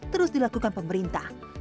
terus dilakukan pemerintah